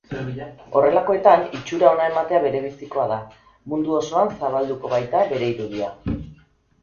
Horrelakoetan itxura ona ematea berebizikoa da, mundu osoan zabalduko baita bere irudia.